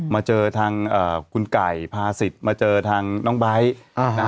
มาเจอทางคุณไก่พาสิทธิ์มาเจอทางน้องไบท์